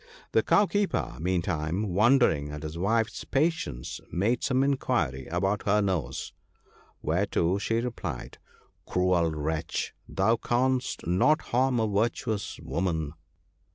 The Cowkeeper, meantime, wondering at his wife's pa tience, made some inquiry about her nose ; whereto she replied, ' Cruel wretch ! thou canst not harm a virtuous woman.